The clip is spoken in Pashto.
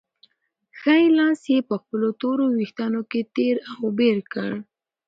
ښی لاس یې په خپلو تورو وېښتانو کې تېر او بېر کړ.